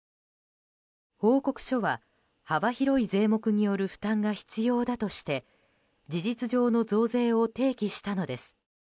報告書は、幅広い税目による負担が必要だとして事実上の増税を提起したのです。